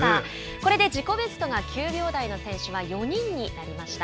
これで自己ベストが９秒台の選手は４人になりました。